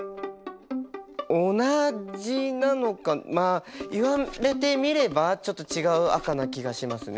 同じなのかまあ言われてみればちょっと違う赤な気がしますね。